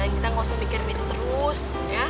kita gak usah mikirin itu terus